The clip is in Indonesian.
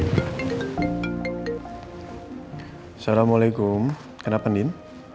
assalamualaikum kenapa din